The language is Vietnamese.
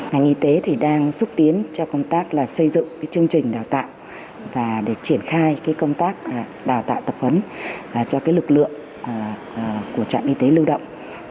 chúng tôi đang xúc tiến cho công tác xây dựng chương trình đào tạo và để triển khai công tác đào tạo tập huấn cho lực lượng của trạm y tế lưu động